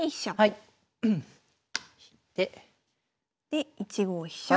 で１五飛車。